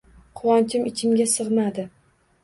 Quvonchim ichimga sig`madi